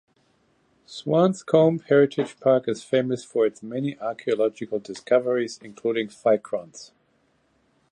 Swanscombe Heritage Park is famous for its many archaeological discoveries, including ficrons.